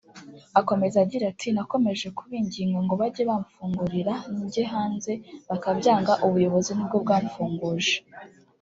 Akomeza agira ati “Nakomeje kubinginga ngo bajye bamfungurira njye hanze bakabyanga ubuyobozi ni bwo bwamfunguje”